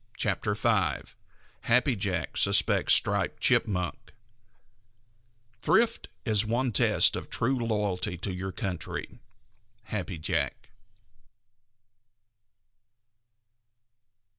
CHAPTER V HAPPY JACK SUSPECTS STRIPED CHIPMUNK Thrift is one test of true loyalty to your country. _Happy Jack.